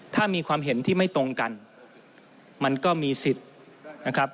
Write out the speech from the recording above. ถ้ามีความเห็นที่ไม่ตรงกันมันก็มีสิทธิ์นะครับ